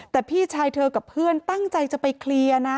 แต่พี่ชายเธอกับเพื่อนตั้งใจจะไปเคลียร์นะ